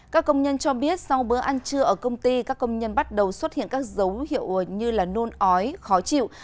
các công nhân cho biết sau bữa ăn trưa ở công ty các công nhân bắt đầu xuất hiện các dấu hiệu như nôn ói khó chịu